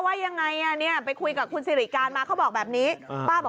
ว่ายังไงอ่ะเนี่ยไปคุยกับคุณสิริการมาเขาบอกแบบนี้ป้าบอก